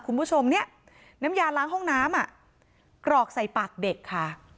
คุณผู้ชมเนี่ยน้ำยาล้างห้องน้ำอ่ะกรอกใส่ปากเด็กค่ะ